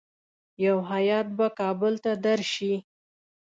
یو هیات به کابل ته درسي.